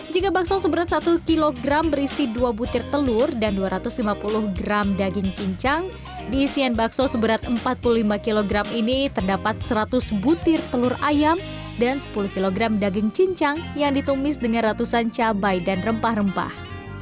jika bakso seberat satu kg berisi dua butir telur dan dua ratus lima puluh gram daging pincang di isian bakso seberat empat puluh lima kg ini terdapat seratus butir telur ayam dan sepuluh kg daging cincang yang ditumis dengan ratusan cabai dan rempah rempah